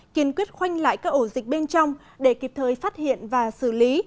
kiên quyết khoanh lại các ổ dịch bên trong để kịp thời phát hiện và xử lý